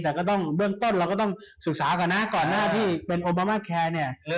แต่ก็ต้องเบื้องต้นเราก็ต้องศึกษาก่อนนะก่อนหน้าที่เป็นโอบามาแคร์เนี่ย